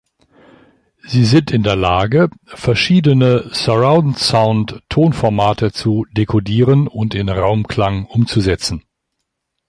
Sie sind in der Lage, verschiedene Surroundsound-Tonformate zu dekodieren und in Raumklang umzusetzen.